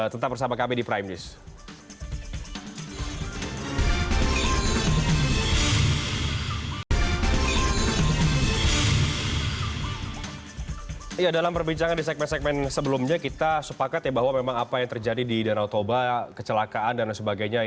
tetap bersama kami di prime news